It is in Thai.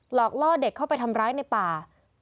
อกล่อเด็กเข้าไปทำร้ายในป่า